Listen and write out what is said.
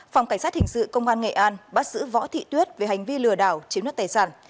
phòng cảnh sát hình sự công an nghệ an bắt giữ võ thị tuyết về hành vi lừa đảo chiếm đoạt tài sản